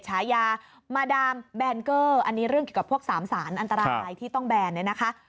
ฉายามาดามแบนเกอร์อันนี้เรื่องเกี่ยวกับพวกสามสารอันตรายที่ต้องแบนเนี่ยนะคะ